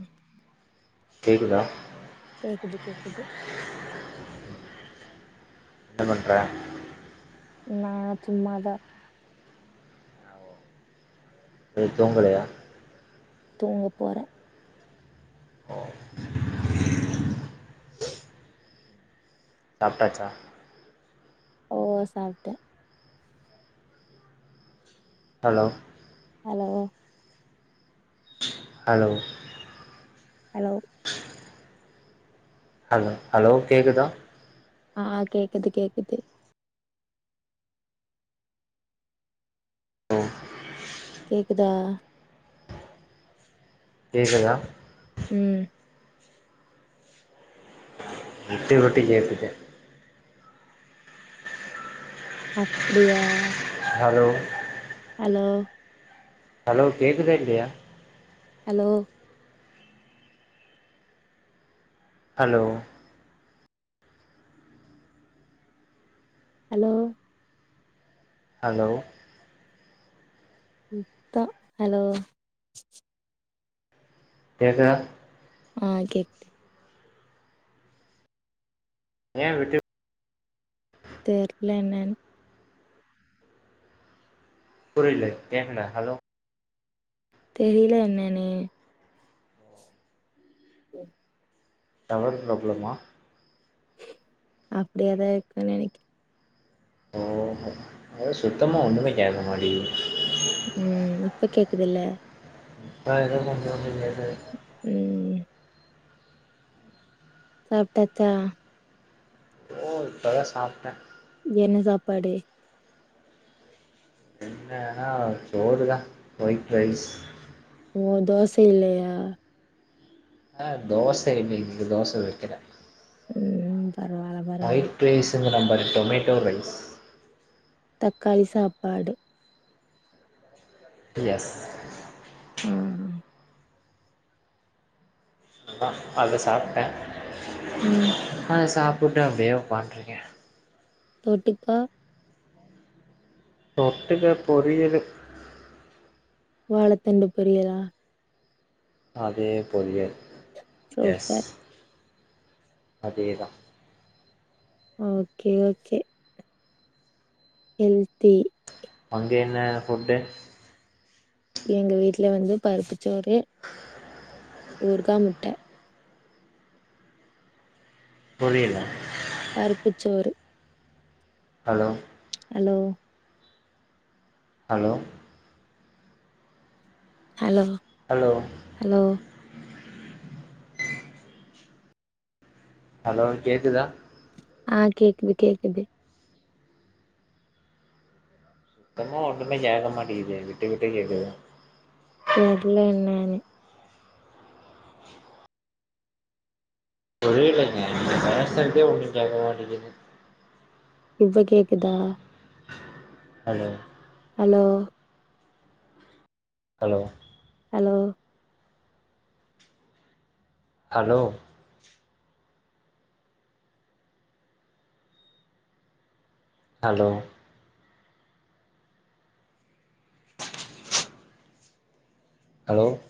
ம் கேக்குதா கேக்குது கேக்குது என்ன பண்றே நா சும்மாதா நீ தூங்கலயா தூங்க போறே ஓ சாப்ட்டாச்சா ஓ சாப் hello hello hello hello hello hello கேக்குதா ஆ கேக்குது கேக்குது கேக்குதா கேக்குதா ம் விட்டு விட்டு கேட்குது அப்டியா ஹலோ ஹலோ ஹலோ கேக்குதா இல்லயா ஹலோ ஹலோ ஹலோ ஹலோ சுத்தோ ஹலோ கேக்குதா ஆ கேக் ஏ விட்டு தெர்ல என்னன்னு புறில கேக்கல ஹ தெரில என்னன்னு ம் டவர் பிராப்ளமா அப்டியாதா இருக்குன்னு நினைக் ஓஹோ அது சுத்தமா ஒன்னுமே கேக்க மாடிக்கு ம் இப்ப கேக்குதுல்ல ர ர மந்த [unintelligible] ம் சாப்ட்டாச்சா ஒ இப்பதா சாப்ட்ட என்ன சாப்பாடு என்னன்னா சோறுதா ஒயிட் ரைஸ் ஓ தோச இல்லையா ஆ தோச இன்னக்கு தோச வக்கிறா ம் பரவால்ல கை பரவால்ல ப்ரைஸுங்குறாம்பாரு டொமேட்டோ ரைஸ் தக்காளி சாப்பாடு எஸ் ம் அதா அத சாப்ட்ட ம் ஆ சாப்பிட்டு அப்டியே உக்காந்திருக்கே தொட்டுக்க தொட்டுக பொரியலு வாழத்தண்டு பொறியலா அதே பொரியல் எஸ் சூப்பர். அதேதா ஓகே ஓகே ஹெல்த்தி அங்க என்ன ஃபுட் எங்க வீட்ல வந்து பருப்புச்சோறு ஊருகா முட்ட புரியல பருப்புச்சோறு hello hello hello hello hello hello hello கேக்குதா ஆ கேக்குது கேக்குது இப்பமு ஒண்ணுமே கேக்க மாட்டிது விட்டு விட்டு கேக்குது தெர்ல என்னானு புரியலங்க பேசுறதே ஒண்ணு கேட்க மாட்டேங்குது இப்ப கேக்குதா hello hello hello hello hello hello [unintelligible] hello